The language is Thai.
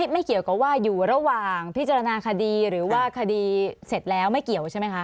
ไม่เกี่ยวกับว่าอยู่ระหว่างพิจารณาคดีหรือว่าคดีเสร็จแล้วไม่เกี่ยวใช่ไหมคะ